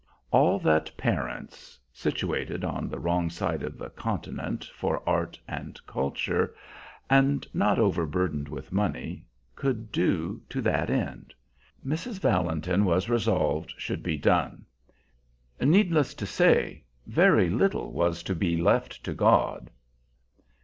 All that parents, situated on the wrong side of the continent for art and culture, and not over burdened with money, could do to that end, Mrs. Valentin was resolved should be done. Needless to say, very little was to be left to God.